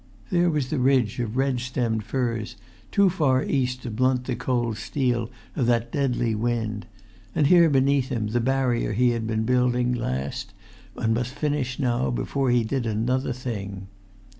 There was the ridge of red stemmed firs, too far east to blunt the cold steel of that deadly wind; and here beneath him the barrier he had been building last, and must finish now before he did another thing.